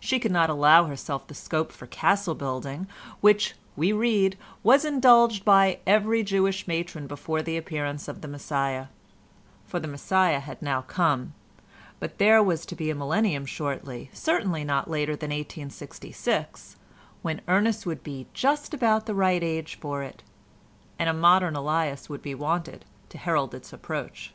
She could not allow herself the scope for castle building which, we read, was indulged in by every Jewish matron before the appearance of the Messiah, for the Messiah had now come, but there was to be a millennium shortly, certainly not later than 1866, when Ernest would be just about the right age for it, and a modern Elias would be wanted to herald its approach.